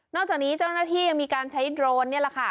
จากนี้เจ้าหน้าที่ยังมีการใช้โดรนนี่แหละค่ะ